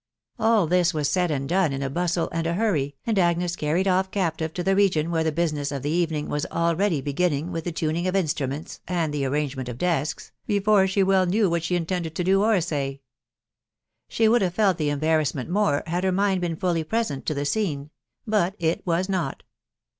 AU thi§ waa atdd and done in a bustle %>\x& * Vwrr^^x^ 242 THE WIDOW BARNABY. Agnes carried off captive to the region where the basinex of the evening was already beginning with the tuning of instru ments and the arrangement of desks, before she well knew what she intended to do or say. She. would hmre felt the embarrassment more had her mind been fully present to the scene ; but it was not.